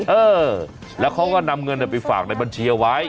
เออแล้วเขาก็นำเงินไปฝากในบัญชีเอาไว้